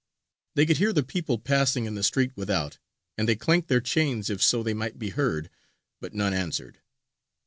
They could hear the people passing in the street without, and they clanked their chains if so be they might be heard, but none answered.